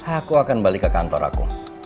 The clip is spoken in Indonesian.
aku akan balik ke kantor aku